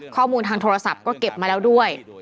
ข้อมูลทางโทรศัพท์ก็เก็บมาแล้วด้วย